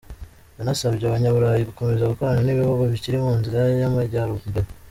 Yanasabye Abanyaburayi gukomeza gukorana n’ibihugu bikiri mu nzira y’amajyambere.